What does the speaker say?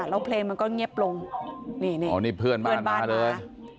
แล้วเพลงมันก็เงียบลงนี่เพื่อนบ้านมาเลย